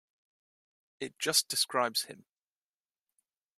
It just describes him.